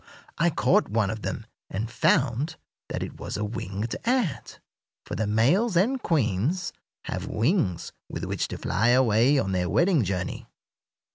I caught one of them and found that it was a winged ant, for the males and queens have wings with which to fly away on their wedding journey.